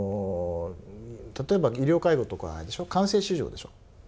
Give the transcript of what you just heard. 例えば医療介護とかは官製市場でしょ。